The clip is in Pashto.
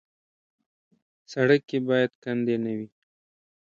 سړک کې باید کندې نه وي.